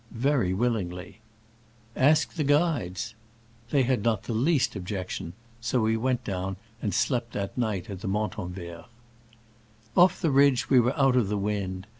"Very willingly." "Ask the guides." They had not the least objection ; so we went down, and slept that night at the Montanvert. Off the ridge we were out of the wind.